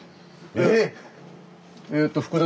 えっ！